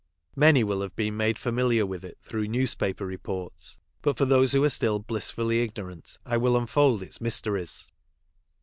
Many will have been made familiar with it through newspaper reports, but for those who are still bliss fully ignorant, I will unfold its mysteries.